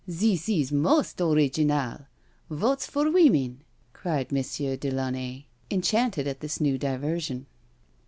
"This is most original I Votes for Women?" cried M. de Launay, enchanted at this new diversion.